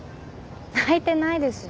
泣いてないですよ。